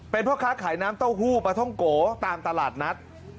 เป็นพ่อค้าขายน้ำเต้าหู้ปลาท่องโกตามตลาดนัด